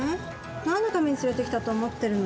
何のために連れてきたと思ってるの。